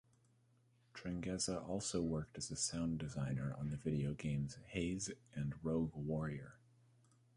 Tregenza also worked as a Sound Designer on the videogames "Haze" and "Rogue Warrior"